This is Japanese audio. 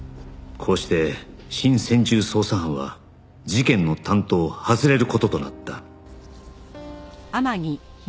こうして新専従捜査班は事件の担当を外れる事となった